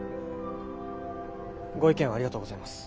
ご意見をありがとうございます。